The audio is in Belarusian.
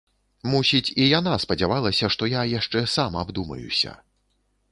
Мусіць, і яна спадзявалася, што я яшчэ сам абдумаюся.